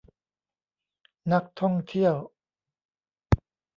นักท่องเที่ยว